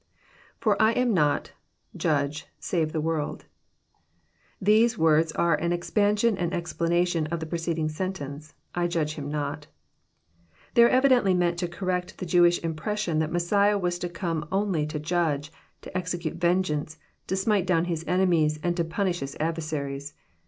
IFor lam not..Judge„.8ave the world, "] These words are an expansion and explanation of the preceding sentence, *< I Judge him not. They are evidently meant to correct the Jewish im pression that Messiah was to come only to Judge, to execute ven geance, to smite down His enemies, and to punish His adver saries.